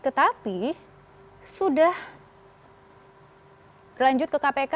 tetapi sudah lanjut ke kpk